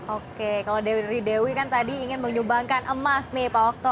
oke kalau dewi dewi kan tadi ingin menyumbangkan emas nih pak okto